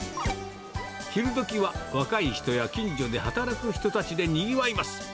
昼どきは、若い人や近所で働く人たちでにぎわいます。